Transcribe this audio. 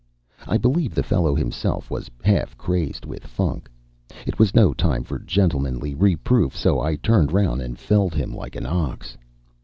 I believe the fellow himself was half crazed with funk. It was no time for gentlemanly reproof, so I turned round and felled him like an ox.